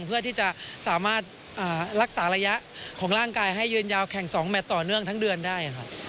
เพื่อที่จะสามารถรักษาระยะของร่างกายให้ยืนยาวแข่ง๒แมทต่อเนื่องทั้งเดือนได้ครับ